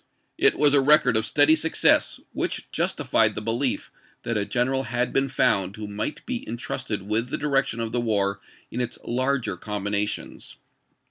It was a record of steady success, which justified the belief that a general had been found who might be in trusted with the direction of the war in its larger combinations.